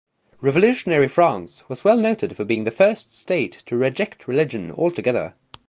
Revolutionary France was well noted for being the first state to reject religion altogether.